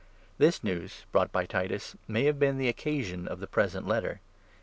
This news, brought by Titus, may have been the occasion of the present Letter.